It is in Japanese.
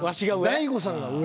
大悟さんが上？